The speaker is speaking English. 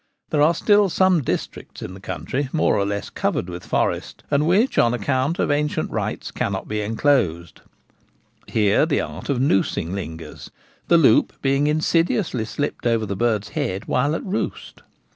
There are Song Bird Fowlers, 1 63 still some districts in the country more or less covered with forest, and which on account of ancient rights cannot be enclosed. Here the art of noosing lingers ; the loop being insidiously slipped over the bird's head while at roost.